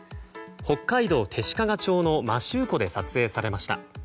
北海道弟子屈町の摩周湖で撮影されました。